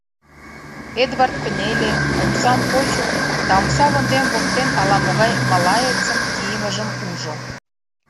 Эдвард кынеле, омсам почо да омса лондем воктен ала-могай малаецын кийымыжым ужо.